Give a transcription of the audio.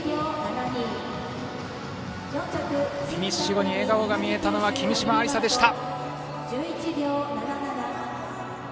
フィニッシュ後に笑顔が見えたのは君嶋愛梨沙でした。